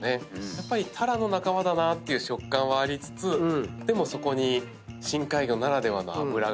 やっぱりタラの仲間だなっていう食感はありつつでもそこに深海魚ならではの脂が加わったような。